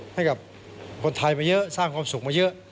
ให้กับคนไทยมาเยอะสร้างความสุขมาเยอะ